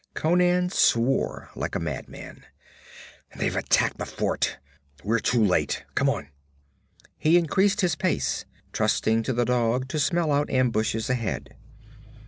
Conan swore like a madman. 'They've attacked the fort! We're too late! Come on!' He increased his pace, trusting to the dog to smell out ambushes ahead.